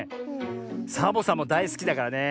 サボさんもだいすきだからね